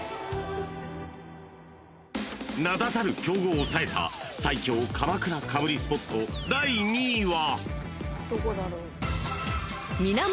［名だたる強豪を抑えた最強鎌倉かぶりスポット第２位は］